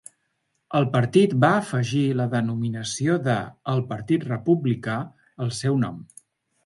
El partit va afegir la denominació de "El partit republicà" al seu nom.